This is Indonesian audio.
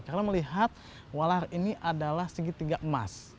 karena melihat walahar ini adalah segitiga emas